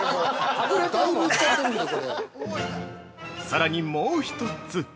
◆さらに、もう一つ。